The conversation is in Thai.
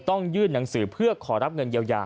ต้องยื่นหนังสือเพื่อขอรับเงินเยียวยา